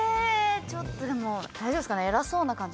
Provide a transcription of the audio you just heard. ちょっとでも大丈夫ですかね？